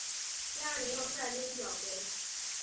第二年又率兵剿贼。